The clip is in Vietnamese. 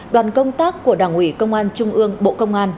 đoàn công tác của đảng ủy công an trung ương bộ công an